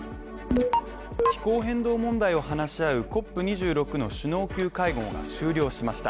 気候変動問題を話し合うＣＯＰ２６の首脳級会合が終了しました